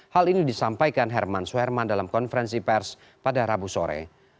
hal ini disampaikan herman suherman dalam konferensi pers pada rabu sore